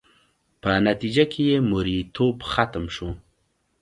په نتیجه کې یې مریتوب ختم شو